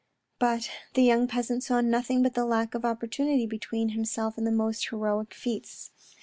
But the young peasant saw nothing but the lack of opportunity between himself and the most heroic feats.